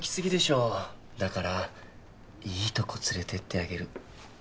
だからいいとこ連れてってあげる。